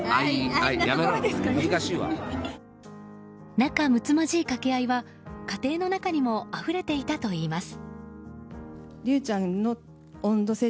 仲むつまじい掛け合いは家庭の中にもあふれていたといいます。